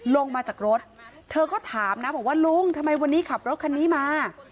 ลงมาจากรถเธอก็ถามนะบอกว่าลุงทำไมวันนี้ขับรถคันนี้มา